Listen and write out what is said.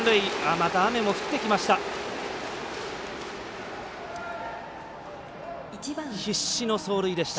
また雨も降ってきました。